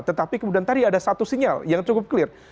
tetapi kemudian tadi ada satu sinyal yang cukup clear